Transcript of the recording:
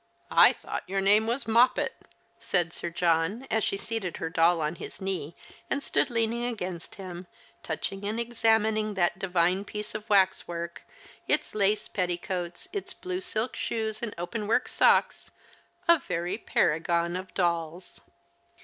I thought your name was Moppet," said Sir John, as she seated her doll on his knee and stood leaning against him, touching and examining that divine piece of waxwork, its lace petti coats, its blue silk shoes and open work socks — a very paragon of dolls.